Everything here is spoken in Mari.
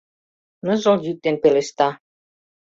Ныжыл йӱк ден пелешта.